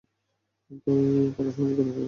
তোই কথা শোনার যোগ্যতা রেখেছিস?